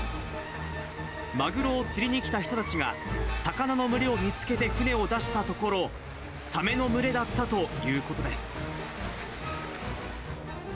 マグロを釣りに来た人たちが、魚の群れを見つけて船を出したところ、サメの群れだったということです。